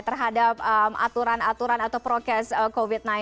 terhadap aturan aturan atau prokes covid sembilan belas